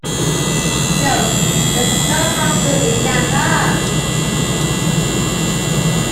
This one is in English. Note: There is no high school in Yamba.